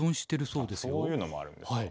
そういうのもあるんですか。